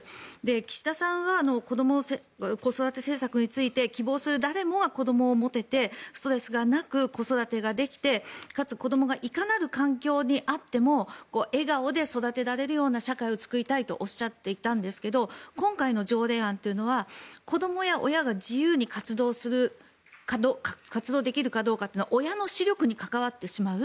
岸田さんは子ども子育て政策について希望する誰もが子どもを持ててストレスがなく子育てができて、かつ子どもがいかなる環境にあっても笑顔で育てられるような社会を作りたいとおっしゃっていたんですが今回の条例案というのは子どもや親が自由に活動できるかどうかというのは親の資力に関わってしまう。